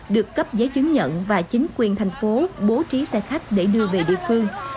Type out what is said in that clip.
được cấp giấy chứng nhận và chính quyền thành phố bố trí xe khách để đưa về địa phương